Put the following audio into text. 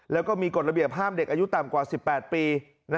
แล้วก็มีกฎระเบียบห้ามเด็กอายุต่ำกว่า๑๘ปี